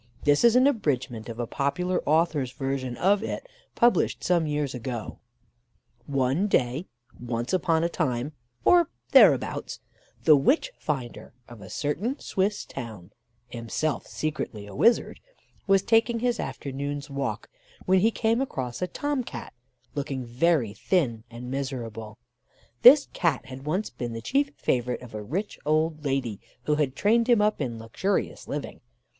This is an abridgement of a popular author's version of it, published some years ago: "One day, once upon a time, or thereabouts, the witch finder of a certain Swiss town himself secretly a wizard was taking his afternoon's walk, when he came across a Tom Cat, looking very thin and miserable. This Cat had once been the chief favourite of a rich old lady, who had trained him up in luxurious living.